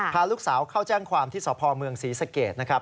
พาลูกสาวเข้าแจ้งความที่สพเมืองศรีสเกตนะครับ